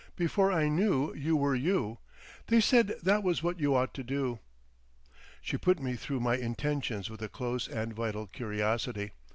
Before I knew you were you. They said that was what you ought to do."... She put me through my intentions with a close and vital curiosity.